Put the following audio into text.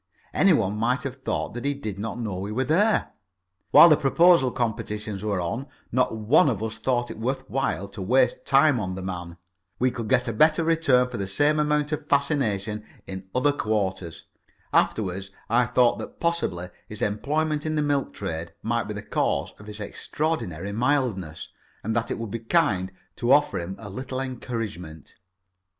Anyone might have thought that he did not know we were there. While the Proposal Competitions were on, not one of us thought it worth while to waste time on the man. We could get a better return for the same amount of fascination in other quarters. Afterwards I thought that possibly his employment in the milk trade might be the cause of his extraordinary mildness, and that it would be kind to offer him a little encouragement.